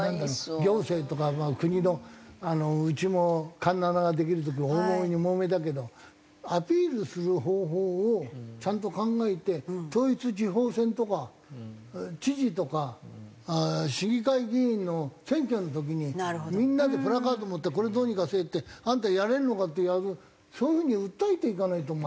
行政とか国のうちも環七ができる時大もめにもめたけどアピールする方法をちゃんと考えて統一地方選とか知事とか市議会議員の選挙の時にみんなでプラカード持って「これどうにかせい！」って「あんたやれるのか？」ってそういう風に訴えていかないとまずいんじゃないかな。